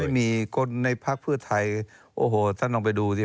ไม่มีคนในภาคพืชไทยโอ้โหท่านลองไปดูสิ